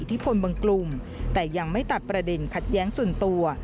ที่พลบางกลุ่มแต่ยังไม่ตัดประเด็นขัดแย้งส่วนตัว